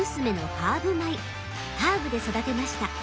ハーブで育てました。